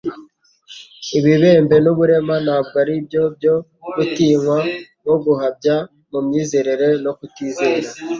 Ibibembe n'uburema ntabwo ari byo byo gutinywa nko gukabya mu myizerere no kutizera.